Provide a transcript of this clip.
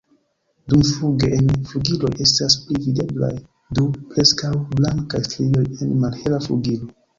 Dumfluge en flugiloj estas pli videblaj du preskaŭ blankaj strioj en malhela flugilo.